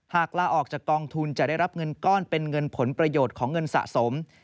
หากลาออกจากกองทุนจะได้รับเงินก้อนเป็นเงินผลประโยชน์ของเงินสะสม